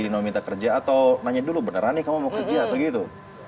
mau minta kerja atau nanya dulu beneran nih kamu kerja begitu